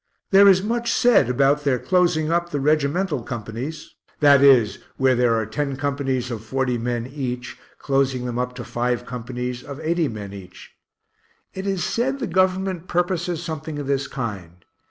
There is much said about their closing up the regimental companies that is, where there are ten companies of 40 men each, closing them up to five companies, of 80 men each. It is said the Government purposes something of this kind.